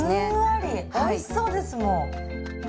おいしそうですもう。